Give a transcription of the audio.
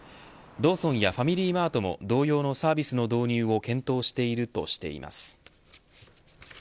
ローソンやファミリーマートも同様のサービスの導入を検討しているとしています。